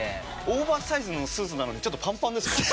オーバーサイズのスーツなのにちょっとパンパンですもんね。